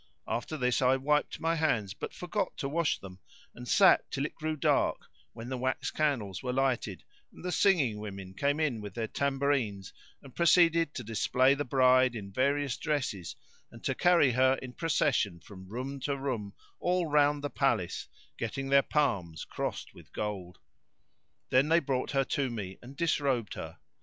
After this I wiped my hands, but forgot to wash them; and sat till it grew dark, when the wax candles were lighted and the singing women came in with their tambourines and proceeded to display the bride in various dresses and to carry her in procession from room to room all round the palace, getting their palms crossed with gold. Then they brought her to me and disrobed her.